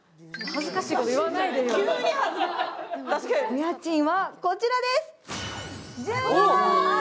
お家賃はこちらです。